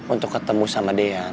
untuk ketemu sama dea